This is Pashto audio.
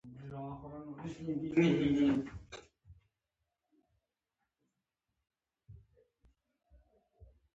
درناوی د ټولنیز عدالت او مساواتو لپاره اړین دی.